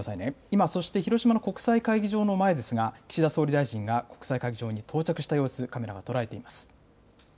今、広島の国際会議場の前ですが、岸田総理大臣が国際会議場に到着した様子、カメラが捉えています。